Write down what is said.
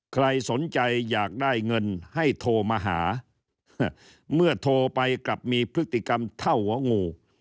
ใครสนใจอยากได้เงินให้โทรมาหาเมื่อโทรไปกลับมีพฤติกรรมเท่าหัวงู